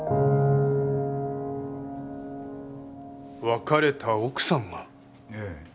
別れた奥さんが？ええ。